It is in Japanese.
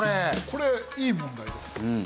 これいい問題です。